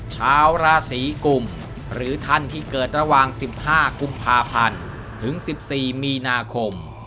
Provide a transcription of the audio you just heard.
ชาวราศีกุมหรือท่านที่เกิดระหว่าง๑๕กุมภาพันธ์ถึง๑๔มีนาคม